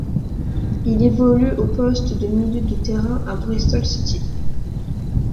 Il évolue au poste de milieu de terrain à Bristol City.